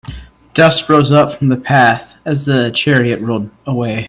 Dust rose up from the path as the chariot rolled away.